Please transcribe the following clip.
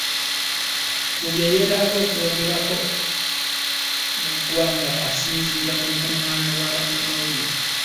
Buli ey'etaaga okwogeerako n'eggwanga asinziira mu Lukungaana lwa bannamawulire.